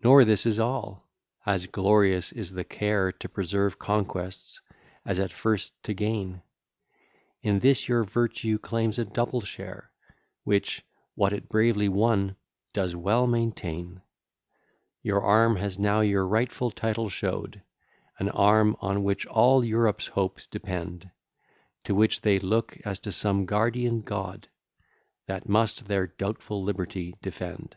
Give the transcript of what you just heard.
Nor this is all; as glorious is the care To preserve conquests, as at first to gain: In this your virtue claims a double share, Which, what it bravely won, does well maintain. Your arm has now your rightful title show'd, An arm on which all Europe's hopes depend, To which they look as to some guardian God, That must their doubtful liberty defend.